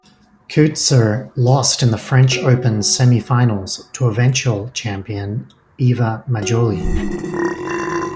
Coetzer lost in the French Open semi-finals to eventual-champion Iva Majoli.